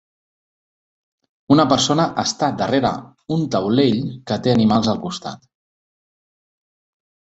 Una persona està darrere un taulell que té animals al costat.